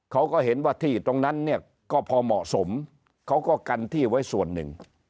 เขาก็เห็นว่าที่ตรงนั้นเนี่ยก็พอเหมาะสมเขาก็กันที่ไว้ส่วนหนึ่ง